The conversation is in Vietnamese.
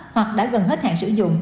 hoặc đã gần hết hàng sử dụng